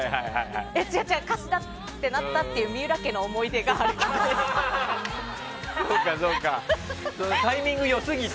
違う、違う、歌詞だってなったっていう水卜家の思い出がある曲です。